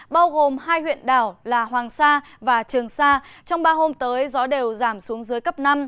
bao gồm hai huyện đảo là hoàng sa và trường sa trong ba hôm tới gió đều giảm xuống dưới cấp năm